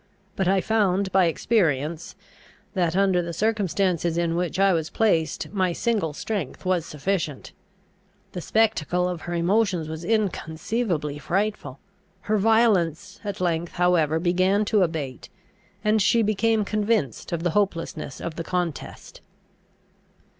But I found by experience that, under the circumstances in which I was placed, my single strength was sufficient. The spectacle of her emotions was inconceivably frightful. Her violence at length however began to abate, and she became convinced of the hopelessness of the contest.